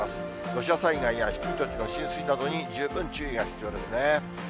土砂災害や低い土地の浸水などに十分注意が必要ですね。